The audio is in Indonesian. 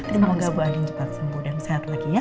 semoga bu ading cepat sembuh dan sehat lagi ya